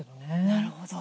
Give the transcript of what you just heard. なるほど。